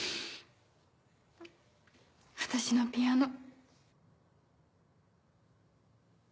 私のピアノ。